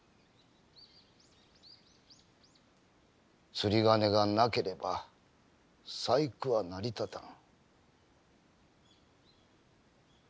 釣り鐘がなければ細工は成り立たん。